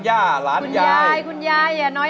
อย่าน้อยหน้าคุณย่าเร็วคุณยาย